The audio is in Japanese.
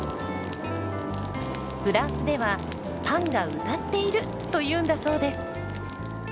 フランスでは「パンが歌っている！」というんだそうです。